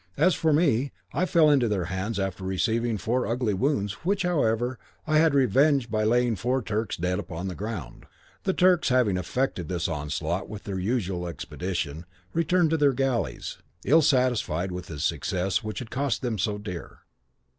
As for me, I fell into their hands after receiving four ugly wounds, which, however, I had revenged by laying four Turks dead upon the ground. "The Turks having effected this onslaught with their usual expedition, returned to their galleys, ill satisfied with a success which had cost them so dear.